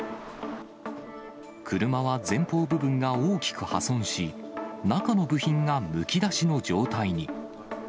車は前方部分が大きく破損し、中の部品がむき出しの状態に。